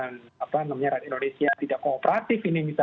hanya saja sekali lagi kalau rekan rekan indonesia tidak kooperatif dengan kita